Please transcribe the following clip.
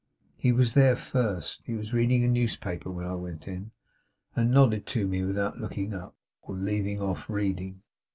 He was there first. He was reading a newspaper when I went in, and nodded to me without looking up, or leaving off reading.